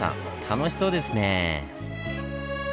楽しそうですねぇ。